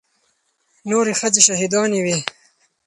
نورې ښځې شهيدانېدلې وې.